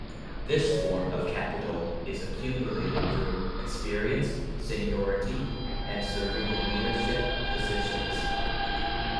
This form of capital is accumulated through experience, seniority, and serving in leadership positions.